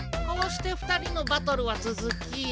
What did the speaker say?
こうして２人のバトルはつづき。